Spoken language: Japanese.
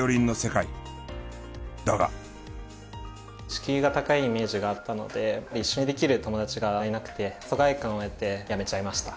敷居が高いイメージがあったので一緒にできる友達がいなくて疎外感を得てやめちゃいました。